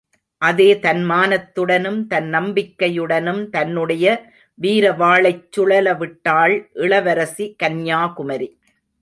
அதே தன்மானத்துடனும் தன்னம்பிக்கையுடனும் தன்னுடைய வீர வாளைச் சுழலவிட்டாள் இளவரசி கன்யாகுமரி!